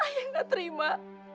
ayah gak terima